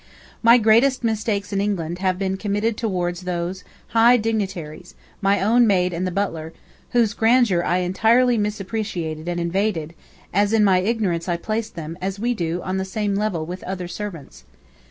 My greatest mistakes in England have been committed toward those high dignitaries, my own maid and the butler, whose grandeur I entirely misappreciated and invaded, as in my ignorance I placed them, as we do, on the same level with other servants.